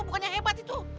bukan yang hebat itu